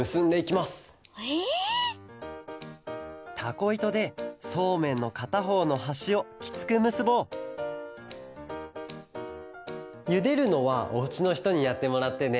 たこいとでそうめんのかたほうのはしをきつくむすぼうゆでるのはおうちのひとにやってもらってね。